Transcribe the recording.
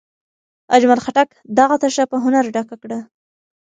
اجمل خټک دغه تشه په هنر ډکه کړه.